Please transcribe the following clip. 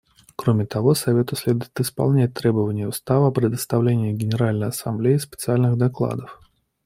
Кроме того, Совету следует исполнять требования Устава о представлении Генеральной Ассамблее специальных докладов.